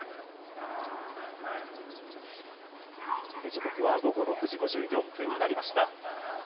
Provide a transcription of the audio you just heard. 時刻は午後６時５４分になりました。